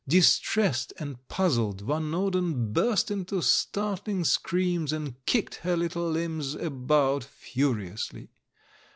Distressed and puzzled, Van Norden burst into startling screams, and kicked her little limbs about furiously.